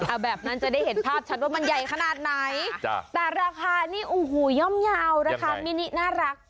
เอาแบบนั้นจะได้เห็นภาพชัดว่ามันใหญ่ขนาดไหนแต่ราคานี่โอ้โหย่อมเยาว์นะคะมินิน่ารัก